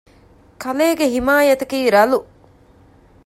ކަލޭގެ ޙިމާޔަތަކީ ރަލު